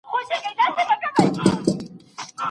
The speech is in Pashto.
پلان د وخت د تنظیم لپاره دی.